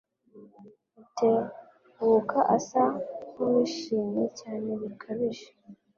Rutebuka asa nkuwishimye cyane bikabije.